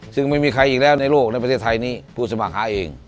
ซึ่งไม่มีใครอีกแล้วในโลกในประเทศไทยนี้ผู้สมัครหาเอง